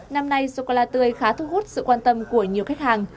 năm nay sô cô la tươi khá thu hút sự quan tâm của nhiều khách hàng